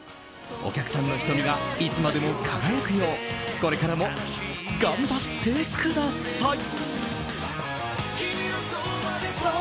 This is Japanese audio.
お客さんの瞳がいつまでも輝くようこれからも頑張ってください。